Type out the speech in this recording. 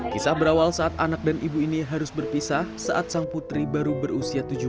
kisah berawal saat anak dan ibu ini harus berpisah saat sang putri baru berusia tujuh belas tahun